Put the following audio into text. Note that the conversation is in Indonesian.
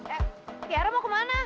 tiara mau ke mana